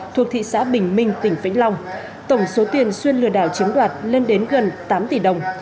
thuộc thị xã bình minh tỉnh vĩnh long tổng số tiền xuyên lừa đảo chiếm đoạt lên đến gần tám tỷ đồng